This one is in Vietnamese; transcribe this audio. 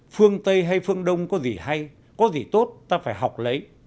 phương tây hay phương đông có gì hay có gì tốt ta phải học lấy